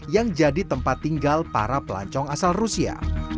yang jadi tempat tinggal para pelancong asal rusia